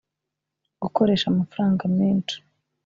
Gukoresha amafaranga menshi